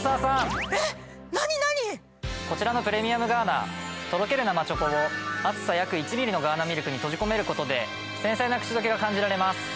こちらのプレミアムガーナとろける生チョコを厚さ約１ミリのガーナミルクに閉じ込めることで繊細な口どけが感じられます。